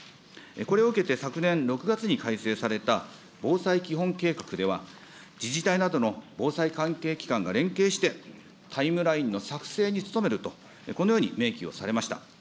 これを受けて昨年６月に改正された防災基本計画では、自治体などの防災関係機関が連携してタイムラインの作成に努めると、このように明記をされました。